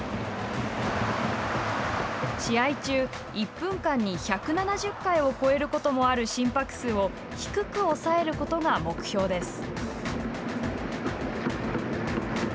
試合中、１分間に１７０回を超えることもある心拍数を低く抑えることが目標です。